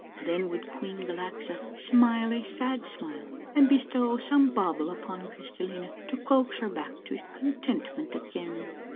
Then would Queen Galaxa smile a sad smile and bestow some bauble upon Crystallina to coax her back to contentment again.